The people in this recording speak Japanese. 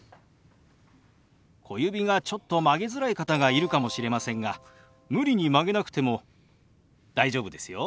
小指がちょっと曲げづらい方がいるかもしれませんが無理に曲げなくても大丈夫ですよ。